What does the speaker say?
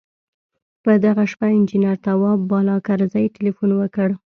په دغه شپه انجنیر تواب بالاکرزی تیلفون وکړ.